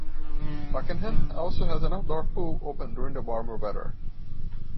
Pakenham also has an outdoor pool open during the warmer weather.